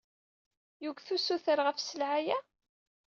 Yegget ussuter ɣef sselɛa-a?